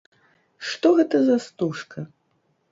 Што гэта за стужка?